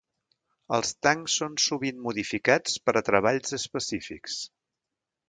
Els tancs són sovint modificats per a treballs específics.